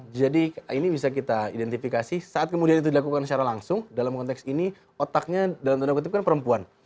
jadi ini bisa kita identifikasi saat kemudian itu dilakukan secara langsung dalam konteks ini otaknya dalam tanda kutip kan perempuan